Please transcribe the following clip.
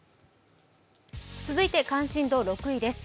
続いて関心度６位です。